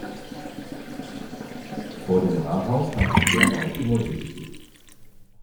Vor dem Rathaus hat es derweil Tumulte gegeben.